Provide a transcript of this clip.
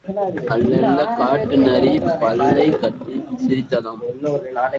அல்லல் காட்டு நரி பல்லைக் காட்டிச் சிரித்ததாம்.